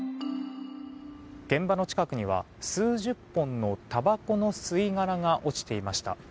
現場の近くには数十本のたばこの吸い殻が落ちていました。